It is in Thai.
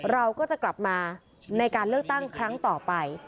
เราก็จะกลับมาในการเลือกตั้งครั้งต่อไป